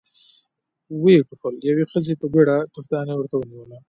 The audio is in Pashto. ويې ټوخل، يوې ښځې په بيړه توفدانۍ ورته ونېوله.